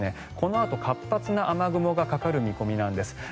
このあと活発な雨雲がかかる見込みなんです。